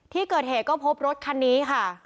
ที่เกิดเหตุก็พบรถคันนี้ค่ะ